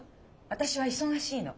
私は忙しいの。